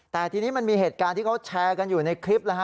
แต่ทีนี้มันมีเหตุการณ์ที่เขาแชร์กันอยู่ในคลิป